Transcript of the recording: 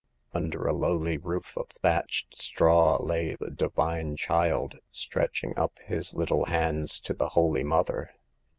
Under a lowly roof of thatched straw lay the Divine Child, stretching up His little Hands to the Holy Mother.